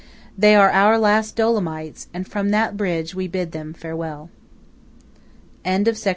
They are our last Dolomites; and from that bridge we bid them farewell. THE END.